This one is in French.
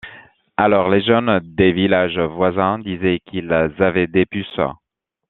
Alors les jeunes des villages voisins disaient qu'ils avaient des puces.